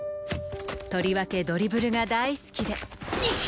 とりわけドリブルが大好きで